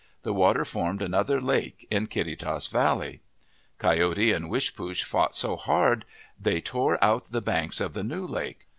The water formed another lake in Kittitas Valley. Coyote and Wishpoosh fought so hard they tore out the banks of the new lake.